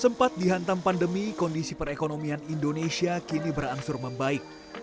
sempat dihantam pandemi kondisi perekonomian indonesia kini berangsur membaik